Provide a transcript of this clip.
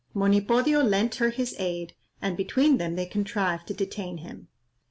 Monipodio lent her his aid, and between them they contrived to detain him.